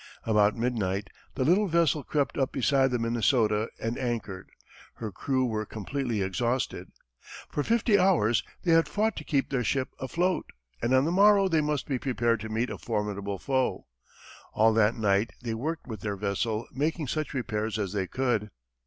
About midnight, the little vessel crept up beside the Minnesota and anchored. Her crew were completely exhausted. For fifty hours, they had fought to keep their ship afloat, and on the morrow they must be prepared to meet a formidable foe. All that night they worked with their vessel, making such repairs as they could.